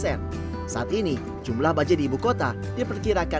sehingga sekarang juga jackson kondeksi jambusan untuk permainan tangkai